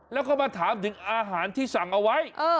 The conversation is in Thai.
แล้วก็มาถามถึงอาหารที่สั่งเอาไว้